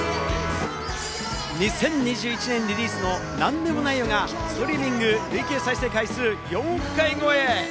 ２０２１年リリースの『なんでもないよ、』がストリーミング累計再生回数４億回超え。